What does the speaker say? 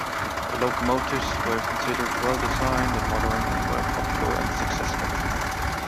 The locomotives were considered well designed and modern, and were popular and successful.